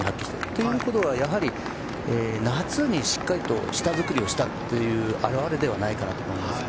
ということは、やはり夏にしっかりと下作りをしたという表れではないかと思います。